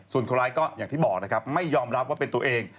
ส่วนคนร้ายก็อย่างที่บอกนะครับไม่ยอมรับว่าเป็นตัวเอง